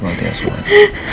nino tahu masalahnya